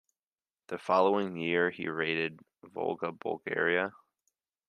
The following year he raided Volga Bulgaria.